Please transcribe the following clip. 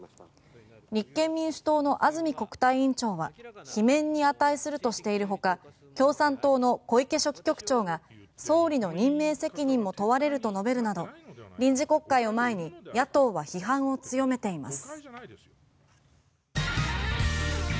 立憲民主党の安住国対委員長は罷免に値するとしているほか共産党の小池書記局長が総理の任命責任も問われると述べるなど臨時国会を前に野党は批判を強めています。